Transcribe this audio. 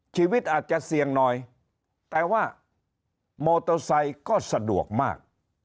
ชีวิตอาจจะเสี่ยงหน่อยแต่ว่ามอเตอร์ไซค์ก็สะดวกมาก